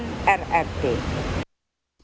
dan ini juga membuatnya lebih berharga